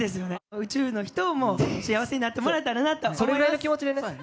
宇宙の人にも幸せになってもらえたらね、それぐらいの気持ちでね。